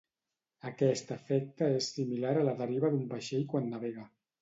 Aquest efecte és similar a la deriva d'un vaixell quan navega.